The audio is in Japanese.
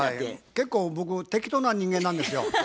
結構僕適当な人間なんですよ。